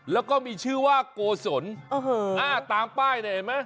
แล้วก็มีชื่อว่าโกศลตามป้ายเนี่ยเห็นไหม